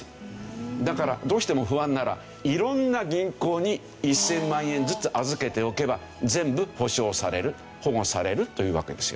だからどうしても不安なら色んな銀行に１０００万円ずつ預けておけば全部保証される保護されるというわけですよ。